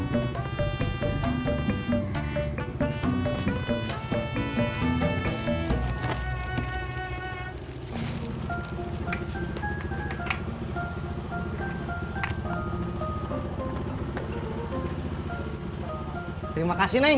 terima kasih ning